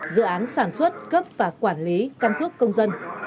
dự án sản xuất cấp và quản lý căn cước công dân